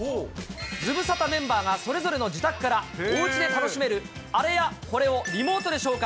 ズムサタメンバーがそれぞれの自宅から、おうちで楽しめるあれやこれをリモートで紹介。